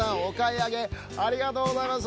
ありがとうございます。